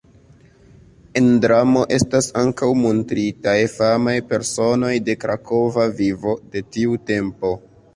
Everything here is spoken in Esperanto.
En dramo estas ankaŭ montritaj famaj personoj de krakova vivo de tiu tempo.